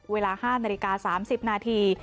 เวลา๕นาฬิกา๓๐นาที